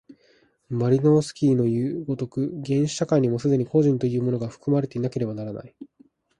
マリノースキイのいう如く、原始社会にも既に個人というものが含まれていなければならない。